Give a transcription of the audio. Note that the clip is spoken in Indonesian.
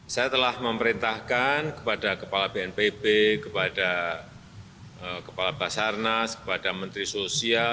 saya telah memerintahkan kepada kepala bnpb kepada kepala basarnas kepada menteri sosial